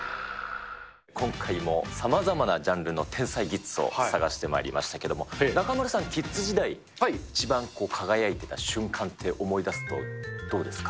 今回も、さまざまなジャンルの天才キッズを探してまいりましたけども、中丸さん、キッズ時代、一番輝いてた瞬間って、思い出すとどうですか？